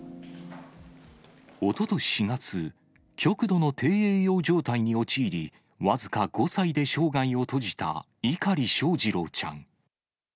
おととし４月、極度の低栄養状態に陥り、僅か５歳で生涯を閉じた碇翔士郎ちゃん。